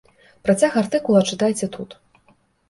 Працяг артыкула чытайце тут.